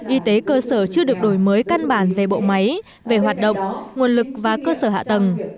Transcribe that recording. y tế cơ sở chưa được đổi mới căn bản về bộ máy về hoạt động nguồn lực và cơ sở hạ tầng